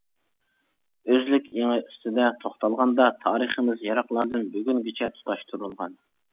ئۆزلۈك ئېڭى ئۈستىدە توختالغاندا تارىخىمىز يىراقلاردىن بۈگۈنگىچە تۇتاشتۇرۇلغان.